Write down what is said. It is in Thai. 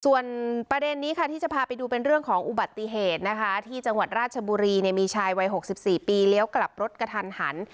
ส่วนประเด็นนี้ค่ะที่จะพาไปดูเป็นเรื่องของอุบัติเหตุนะคะที่จังหวัดราชบุรีมีชายวัย๖๔ปีเลี้ยวกลับรถกระทันหัน